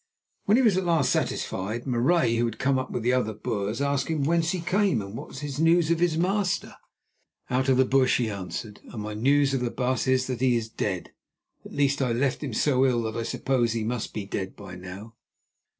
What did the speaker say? When at last he was satisfied, Marais, who had come up with the other Boers, asked him whence he came and what was his news of his master. "Out of the bush," he answered, "and my news of the baas is that he is dead. At least, I left him so ill that I suppose he must be dead by now."